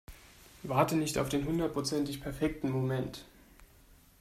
Warte nicht auf den hundertprozentig perfekten Moment.